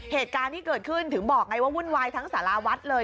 เหตุการณ์ที่เกิดขึ้นถึงบอกไงว่าวุ่นวายทั้งสารวัฒน์เลย